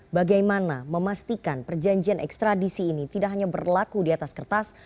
bagaimana memastikan perjanjian ekstradisi ini tidak hanya berlaku di atas kertas